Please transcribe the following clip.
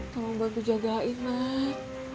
kamu bantu jagain mat